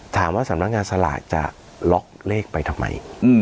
สำนักงานสลากจะล็อกเลขไปทำไม